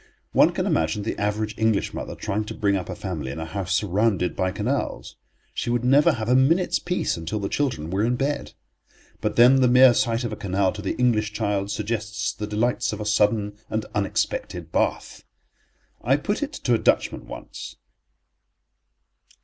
One can imagine the average English mother trying to bring up a family in a house surrounded by canals. She would never have a minute's peace until the children were in bed. But then the mere sight of a canal to the English child suggests the delights of a sudden and unexpected bath. I put it to a Dutchman once.